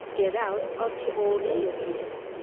GET OUT OF THE OLD THEATER.